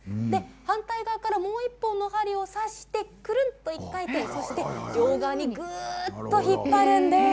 反対側からもう１本の針を刺して、くるっと１回転そして、ぐっと引っ張るんです。